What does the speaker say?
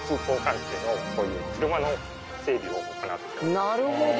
なるほど！